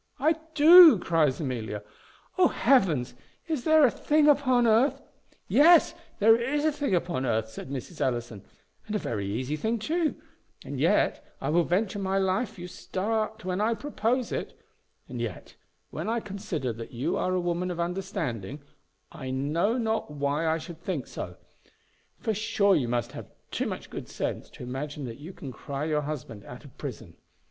"I do!" cries Amelia: "O Heavens! is there a thing upon earth " "Yes, there is a thing upon earth," said Mrs. Ellison, "and a very easy thing too; and yet I will venture my life you start when I propose it. And yet, when I consider that you are a woman of understanding, I know not why I should think so; for sure you must have too much good sense to imagine that you can cry your husband out of prison.